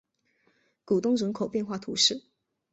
古东人口变化图示